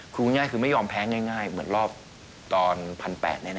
พูดง่ายคือไม่ยอมแพ้ง่ายเหมือนรอบตอน๑๘๐๐แน่